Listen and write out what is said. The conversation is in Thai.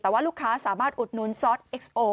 แต่ว่าลูกค้าสามารถอุดหนุนซอสเอ็กซโอ